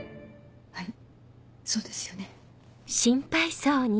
はいそうですよね。